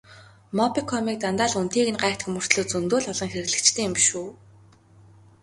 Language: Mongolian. Мобикомыг дандаа л үнэтэйг нь гайхдаг мөртөө зөндөө л олон хэрэглэгчтэй юм биш үү?